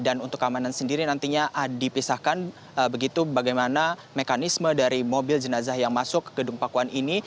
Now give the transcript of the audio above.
dan untuk keamanan sendiri nantinya dipisahkan begitu bagaimana mekanisme dari mobil jenazah yang masuk ke gedung pakuan ini